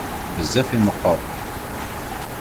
Bezzaf i meqqer.